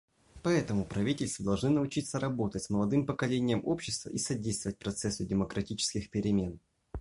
Поэтому правительства должны научиться работать с молодым поколением общества и содействовать процессу демократических перемен.